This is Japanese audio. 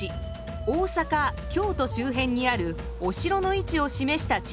大阪・京都周辺にあるお城の位置を示した地図です。